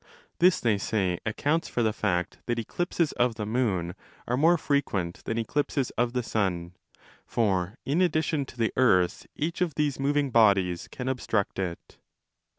This, they say, accounts for the fact that eclipses of the moon are more frequent than eclipses of the sun: for in addition to the earth each of these moving bodies can obstruct it.